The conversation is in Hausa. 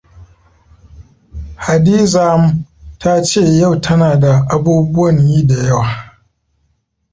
Hadizaam ta ce yau tana da abubuwan yi da yawa.